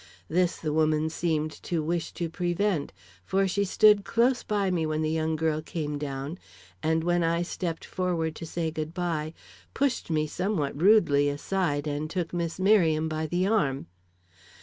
This the woman seemed to wish to prevent, for she stood close by me when the young girl came down, and when I stepped forward to say good by, pushed me somewhat rudely aside and took Miss Merriam by the arm.